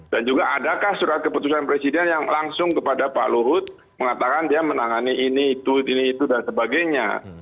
dan juga adakah surat keputusan presiden yang langsung kepada pak luhut mengatakan dia menangani ini itu ini itu dan sebagainya